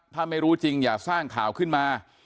ถ้าไม่รู้จริงอย่าสร้างข่าวขึ้นมา